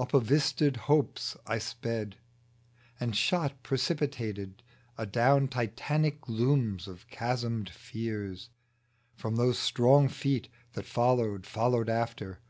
Up vistaed hopes I sped ; And shot, precipitated 220 FRANCIS THOMPSON Adown Titanic glooms of chasmed fears, From those strong Feet that followed, followed after.